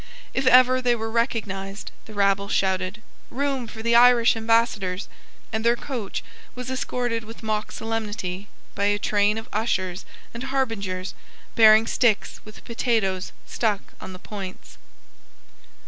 If ever they were recognised, the rabble shouted, "Room for the Irish Ambassadors;" and their coach was escorted with mock solemnity by a train of ushers and harbingers bearing sticks with potatoes stuck on the points.